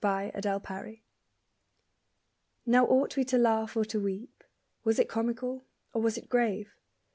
UN RENCONTRE Now ought we to laugh or to weep Was it comical, or was it grave?